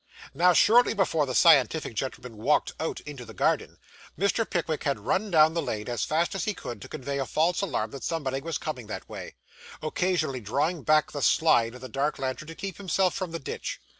Now, shortly before the scientific gentleman walked out into the garden, Mr. Pickwick had run down the lane as fast as he could, to convey a false alarm that somebody was coming that way; occasionally drawing back the slide of the dark lantern to keep himself from the ditch.